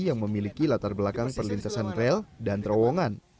yang memiliki latar belakang perlintasan rel dan terowongan